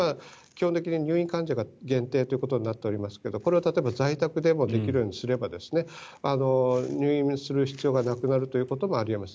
今は入院患者限定ですがなっておりますが例えば、在宅でもできるようにすれば入院する必要がなくなるということもあり得ます。